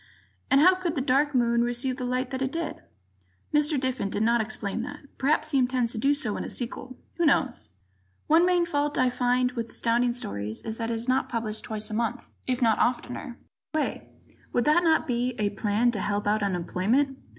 And how could the Dark Moon receive the light that it did? [Mr. Diffin did not explain that; perhaps he intends to do so in a sequel. Who knows? Ed.]. One main fault I have to find with Astounding Stories is that it is not published twice a month, if not oftener. By the way, would that not be a plan to help out unemployment.